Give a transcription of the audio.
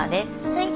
はい。